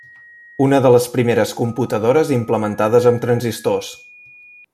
Una de les primeres computadores implementades amb transistors.